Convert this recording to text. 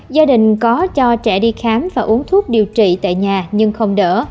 gia đình có cho trẻ đi khám và uống thuốc điều trị tại nhà nhưng không đỡ